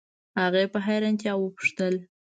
هغې په حیرانتیا وپوښتل